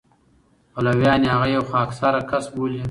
پلویان یې هغه یو خاکساره کس بولي.